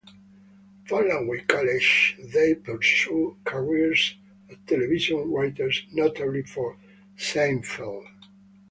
Following college they pursued careers as television writers, notably for "Seinfeld".